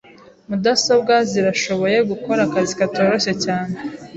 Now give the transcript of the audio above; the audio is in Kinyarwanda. Mudasobwa zirashoboye gukora akazi katoroshye cyane.